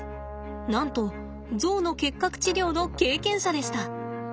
なんとゾウの結核治療の経験者でした。